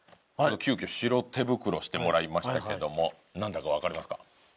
急きょ白手袋してもらいましたけどもなんだかわかりますか？